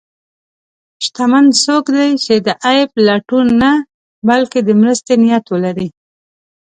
شتمن څوک دی چې د عیب لټون نه، بلکې د مرستې نیت لري.